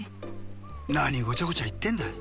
なにごちゃごちゃいってんだ。